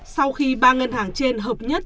sau khi ba ngân hàng trên hợp nhất